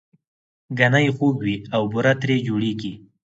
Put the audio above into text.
ګنی خوږ وي او بوره ترې جوړیږي